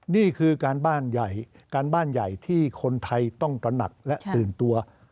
นี่คือการบ้านใหญ่ที่คนไทยต้องตระหนักและตื่นตัว